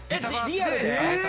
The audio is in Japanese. リアルで？